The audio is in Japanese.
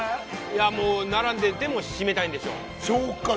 いやもう並んででも〆たいんでしょうそうか